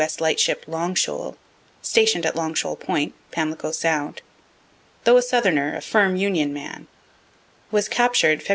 S. light ship Long Shoal, station'd at Long Shoal point, Pamlico sound though a southerner, a firm Union man was captur'd Feb.